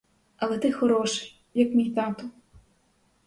Але ти хороший, як мій тато!